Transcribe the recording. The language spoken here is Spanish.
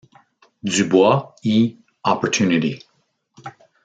Du Bois; y "Opportunity".